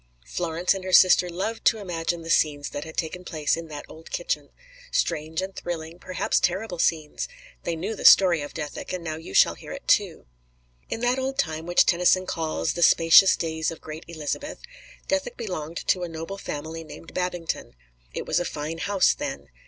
Florence and her sister loved to imagine the scenes that had taken place in that old kitchen; strange and thrilling, perhaps terrible scenes; they knew the story of Dethick, and now you shall hear it too. In that old time which Tennyson calls "the spacious days of great Elizabeth," Dethick belonged to a noble family named Babington. It was a fine house then.